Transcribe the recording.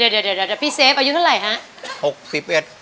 เดี๋ยวพี่เซฟอายุเท่าไหร่ฮะ